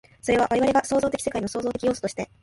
それは我々が創造的世界の創造的要素として、